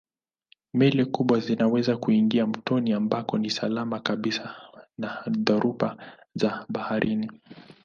Meli kubwa zinaweza kuingia mtoni ambako ni salama kabisa na dhoruba za baharini.